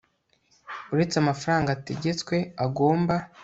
Uretse amafaranga ategetswe agomba